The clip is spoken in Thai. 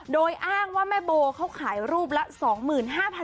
โดยอ้างว่าแม่โบเขาขายรูปละ๒๕๐๐บาท